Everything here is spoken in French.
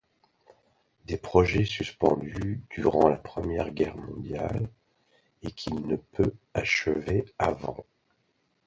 Des projets suspendus durant la première guerre mondiale et qu'il ne peut achever avant.